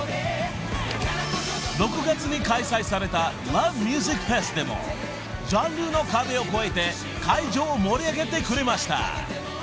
［６月に開催された「ＬＯＶＥＭＵＳＩＣＦＥＳ」でもジャンルの壁を越えて会場を盛り上げてくれました］